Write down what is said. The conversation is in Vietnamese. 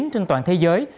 trên toàn thế giới